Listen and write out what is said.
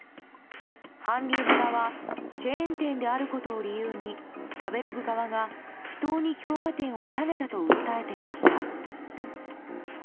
韓流村はチェーン店であることを理由に食べログ側が不当に評価点を下げたと訴えていました。